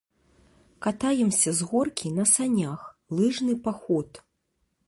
Катаемся з горкі, на санях, лыжны паход.